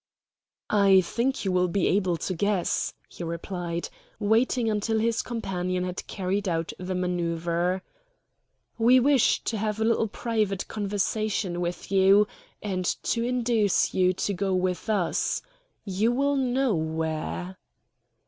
"I think you will be able to guess," he replied, waiting until his companion had carried out the manoeuvre. "We wish to have a little private conversation with you, and to induce you to go with us you will know where."